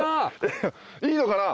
いいのかな？